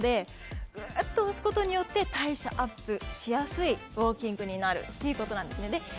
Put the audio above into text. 押すことで代謝アップしやすいウォーキングになるということなんですね。